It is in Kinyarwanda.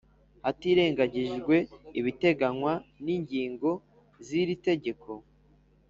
Hatirengagijwe ibiteganywa n’ ingingo ziri tegeko